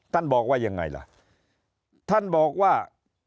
บอกว่ายังไงล่ะท่านบอกว่า